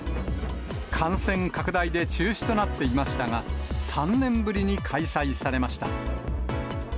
感染拡大で中止となっていましたが、３年ぶりに開催されました。